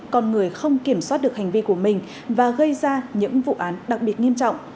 con người không kiểm soát được hành vi của mình và gây ra những vụ án đặc biệt nghiêm trọng